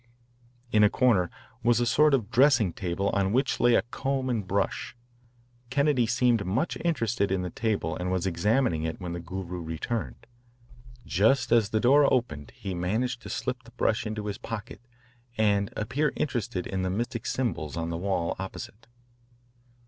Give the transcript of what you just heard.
In a corner was a sort of dressing table on which lay a comb and brush. Kennedy seemed much interested in the table and was examining it when the Guru returned. Just as the door opened he managed to slip the brush into his pocket and appear interested in the mystic symbols on the wall opposite.